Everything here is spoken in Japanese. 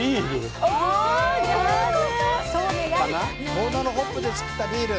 遠野のホップでつくったビール。